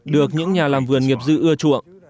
được những nhà làm vườn nghiệp dư ưa chuộng